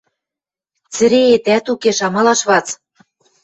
Цӹреэтӓт укеш... амалаш вац!..